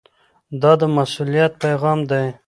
دا د مسؤلیت پیغام دی.